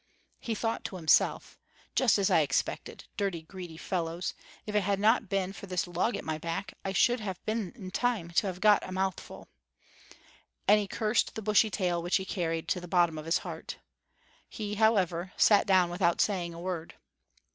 He thought to himself, "Just as I expected! Dirty, greedy fellows! If it had not been for this log at my back, I should have been in time to have got a mouthful;" and he cursed the bushy tail which he carried, to the bottom of his heart. He, however, sat down without saying a word.